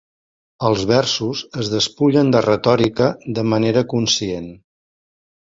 Els versos es despullen de retòrica de manera conscient.